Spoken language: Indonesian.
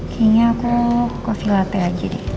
kayaknya aku kopi latte lagi nih